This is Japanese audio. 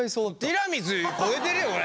ティラミス超えてるよ